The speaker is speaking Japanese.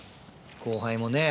後輩もね。